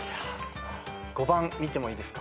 ５番見てもいいですか。